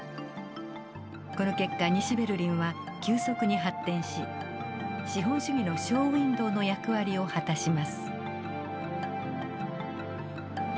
この結果西ベルリンは急速に発展し資本主義のショーウインドーの役割を果たします。